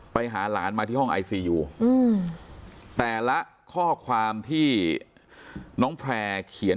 ไปหาหลานมาที่ห้องไอซียูแต่ละข้อความที่น้องแพร่เขียน